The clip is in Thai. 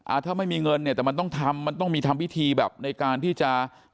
ถ้าไม่มีเงินเนี่ยแต่มันต้องทำมันต้องมีทำพิธีแบบในการที่จะ